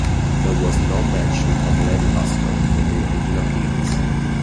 There was no mention of Lady Astor in the original lyrics.